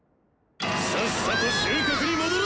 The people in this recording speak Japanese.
「さっさと収穫に戻れ！